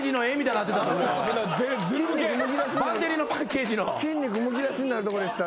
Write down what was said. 筋肉むき出し筋肉むき出しになるとこでした。